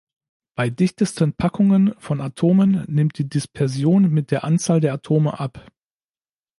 Bei dichtesten Packungen von Atomen nimmt die Dispersion mit der Anzahl der Atome ab.